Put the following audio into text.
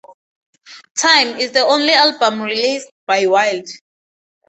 "Time" is the only album released by Wild.